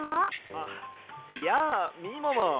あっやあみもも。